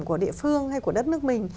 của địa phương hay của đất nước mình